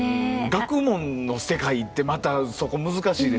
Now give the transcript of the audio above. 学問の世界ってまたそこ難しいですよね。